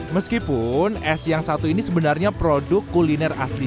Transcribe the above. meskipun es yang satu ini sebenarnya produk kuliner asli